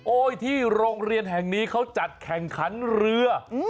ที่โรงเรียนแห่งนี้เขาจัดแข่งขันเรือ